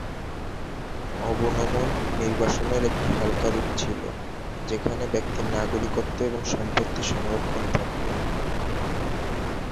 অবনমন নির্বাসনের একটি হালকা রূপ ছিল, যেখানে ব্যক্তির নাগরিকত্ব এবং সম্পত্তি সংরক্ষণ থাকতো।